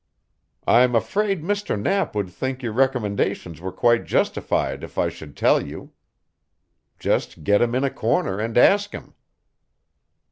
"I'm afraid Mr. Knapp wouldn't think your recommendations were quite justified if I should tell you. Just get him in a corner and ask him."